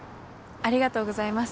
ありがとうございます。